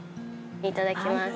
いただきます。